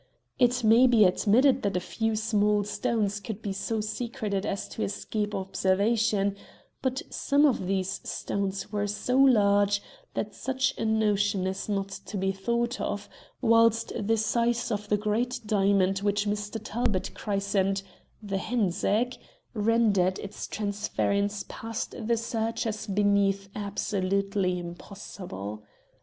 It may be admitted that a few small stones could be so secreted as to escape observation, but some of these stones were so large that such a notion is not to be thought of, whilst the size of the great diamond which Mr. Talbot christened the 'Hen's Egg' rendered its transference past the searchers beneath absolutely impossible.